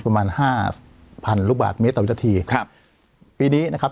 ประมาณห้าพันลูกบาทเมตรต่อวินาทีครับปีนี้นะครับ